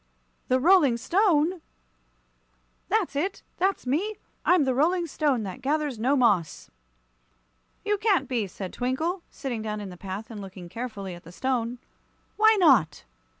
"The Rolling Stone!" "That's it. That's me. I'm the Rolling Stone that gathers no moss." "You can't be," said Twinkle, sitting down in the path and looking carefully at the stone. "Why not?"